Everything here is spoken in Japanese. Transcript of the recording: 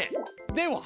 では。